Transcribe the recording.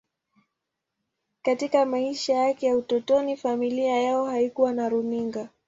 Katika maisha yake ya utotoni, familia yao haikuwa na runinga.